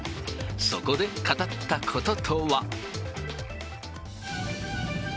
そこで語ったこととは。